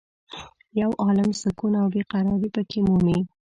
یو عالم سکون او بې قرارې په کې مومې.